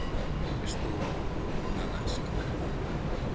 Estou en Alaska.